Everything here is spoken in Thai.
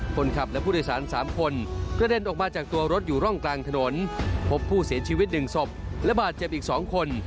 คนขับและผู้โดยสาร๓คนกระเด็นออกมาจากตัวรถอยู่ร่องกลางถนนพบผู้เสียชีวิต๑ศพและบาดเจ็บอีก๒คน